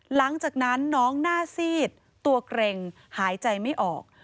หลังจากนั้นน้องหน้าซีดตัวเกร็งหายใจไม่ออก